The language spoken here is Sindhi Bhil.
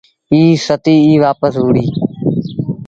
ائيٚݩ ستيٚ ئيٚ وآپس وهُڙي۔